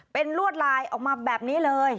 เป็นลวดลายออกมาแบบนี้เลย